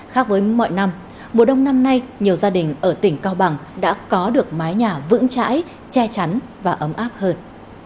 khác với mọi năm mùa đông năm nay nhiều gia đình ở tỉnh cao bằng đã có được mái nhà vững chãi che chắn và ấm áp hơn